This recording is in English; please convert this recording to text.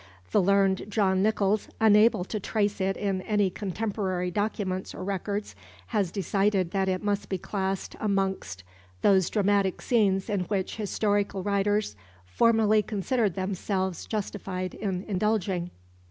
The learned John Nichols, unable to trace it in any contemporary documents or records, has decided that it must be classed amongst "those dramatic scenes in which historical writers formerly considered themselves justified in indulging."